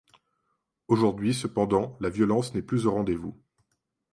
Aujourd'hui, cependant, la violence n'est plus au rendez-vous.